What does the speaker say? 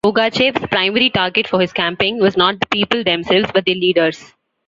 Pugachev's primary target for his campaign was not the people themselves, but their leaders.